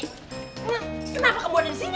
kenapa kamu ada disini